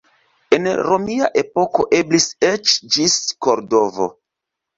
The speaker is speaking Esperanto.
En romia epoko eblis eĉ ĝis Kordovo.